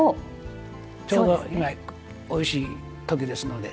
ちょうど今、おいしい時ですので。